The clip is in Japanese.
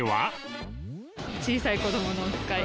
小さい子どものおつかい。